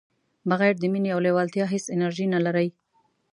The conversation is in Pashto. بغیر د مینې او لیوالتیا هیڅ انرژي نه لرئ.